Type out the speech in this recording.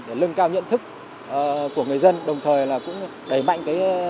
để lưng cao nhận thức của người dân đồng thời là cũng đẩy mạnh cái